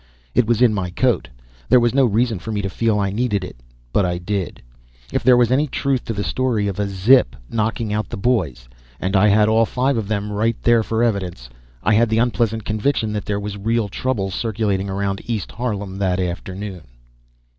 It was in my coat. There was no reason for me to feel I needed it. But I did. If there was any truth to the story of a "zip" knocking out the boys and I had all five of them right there for evidence I had the unpleasant conviction that there was real trouble circulating around East Harlem that afternoon.